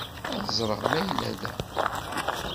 Ad ẓreɣ ma yella da.